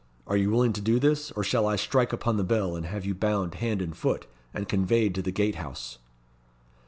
Are you willing to do this, or shall I strike upon the bell, and have you bound hand and foot, and conveyed to the Gatehouse?"